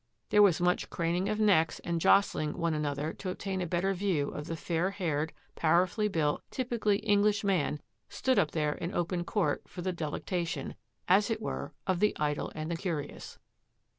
There was much craning of necks and jostling one another to obtain a better view of the fair haired, powerfully built, typically English man stood up there in open court for the delectation, as it were, of the idle and the curious.